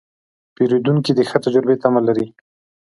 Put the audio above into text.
پیرودونکی د ښه تجربې تمه لري.